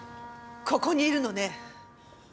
ここにいるのね。